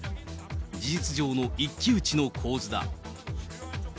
事実上の一騎打ちの構図だ。